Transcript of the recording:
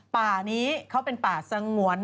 ป่านี้เขาเป็นป่าสงวน